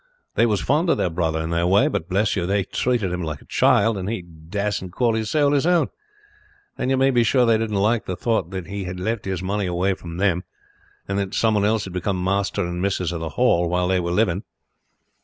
They was fond of their brother in their way, but, bless you, they treated him like a child, and he das'ent call his soul his own; and you may be sure they didn't like the thought that he had left his money away from them, and that some one else would become master and missis of the Hall while they were living.